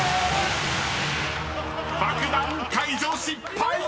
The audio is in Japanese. ［爆弾解除失敗！］